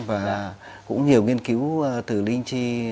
và cũng nhiều nghiên cứu từ linh chi